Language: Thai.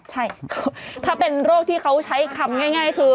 ใช่ถ้าเป็นโรคที่เขาใช้คำง่ายคือ